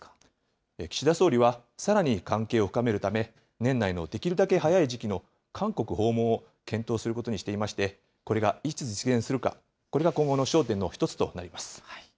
岸田総理はさらに関係を深めるため、年内のできるだけ早い時期の韓国訪問を検討することにしていまして、これがいつ実現するか、これが今後の焦点の一つとなります。